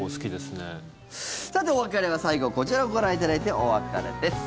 さて、お別れは最後こちらをご覧いただいてお別れです。